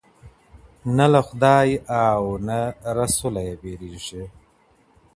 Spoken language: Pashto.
نه له خدای او نه رسوله یې بېرېږې